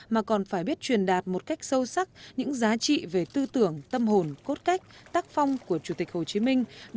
mà còn phải biết truyền đạt một cách sâu sắc những giá trị về tư tưởng tâm hồn cốt cách tác phong của chủ tịch hồ chí minh